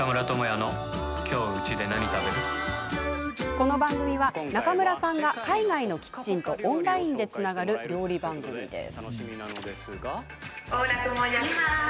この番組は、中村さんが海外のキッチンとオンラインでつながる料理番組です。